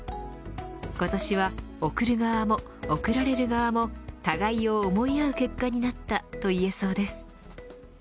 今年は贈る側も贈られる側も互いを思い合う結果になったといえそうです。